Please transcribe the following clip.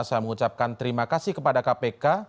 saya mengucapkan terima kasih kepada kpk